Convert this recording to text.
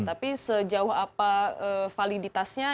tapi sejauh apa validitasnya